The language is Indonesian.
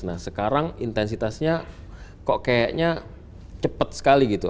nah sekarang intensitasnya kok kayaknya cepat sekali gitu